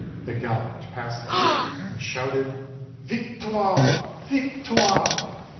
They galloped past them and shouted, " Victoire I victoire